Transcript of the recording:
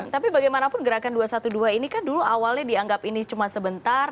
tapi bagaimanapun gerakan dua ratus dua belas ini kan dulu awalnya dianggap ini cuma sebentar